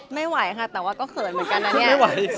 ไม่ไหวค่ะแต่ว่าก็เขินเหมือนกันนะเนี่ย